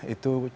itu cukup tinggi